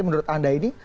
menurut anda ini